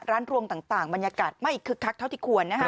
รวมต่างบรรยากาศไม่คึกคักเท่าที่ควรนะฮะ